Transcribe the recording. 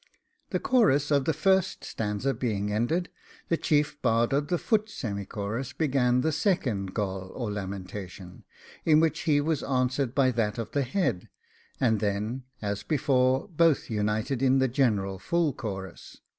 The chorus of the first stanza being ended, the chief bard of the foot semichorus began the second Gol or lamentation, in which he was answered by that of the head; and then, as before, both united in the general full chorus.